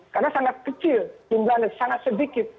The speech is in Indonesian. karena sangat kecil jumlahnya sangat sedikit